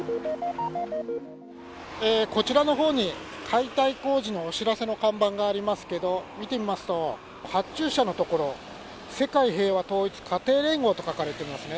こちらのほうに、解体工事のお知らせの看板がありますけど、見てみますと、発注者のところ、世界平和統一家庭連合と書かれていますね。